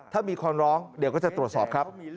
ถ้ามีคนร้องเดี๋ยวก็จะตรวจสอบครับ